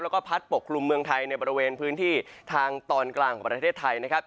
แล้วก็พัดปกคลุมเมืองไทยในบริเวณพื้นที่ทางตอนกลางของประเทศไทยนะครับ